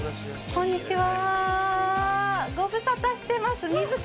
こんにちは。